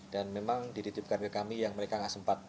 dan memang diditipkan ke kami yang mereka gak sempat